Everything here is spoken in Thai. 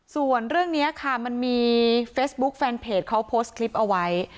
ส่วนเรื่องนี้ค่ะมันมีเฟซบุ๊คแฟนเพจเขาโพสต์คลิปเอาไว้